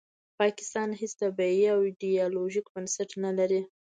پاکستان هیڅ طبیعي او ایډیالوژیک بنسټ نلري